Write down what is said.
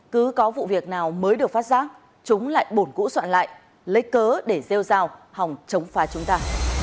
cứ có vụ việc nào mới được phát giác chúng lại bổn cũ soạn lại lấy cớ để rêu rào hòng chống phá chúng ta